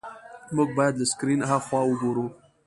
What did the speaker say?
موږ باید له سکرین هاخوا وګورو.